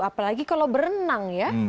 apalagi kalau berenang ya